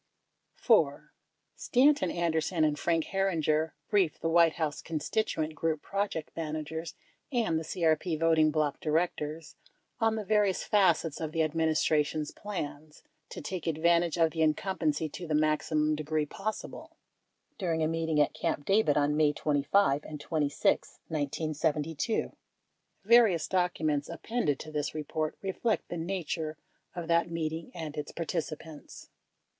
60 4. Stanton Anderson and Frank Herringer briefed the White House constituent group project managers and the CRP voting bloc directors on the various facets of the administration's plans "to take advantage of the incumbency to the maximum degree possible" during a meeting at Camp David on May 25 and 26, 1972. Various documents appended to this report reflect the nature of that meeting and its participants.